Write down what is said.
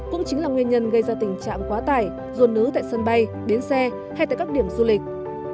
cũng chính là nguyên nhân gây ra tình trạng quá tải ruồn nứ tại sân bay biến xe hay tại các điểm du lịch